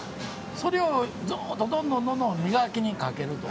それをずーっとどんどんどんどん磨きにかけると。